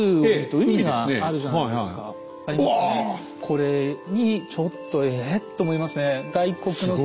これにちょっと「え！」って思いますね。